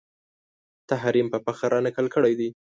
تحریم په فخر رانقل کړی دی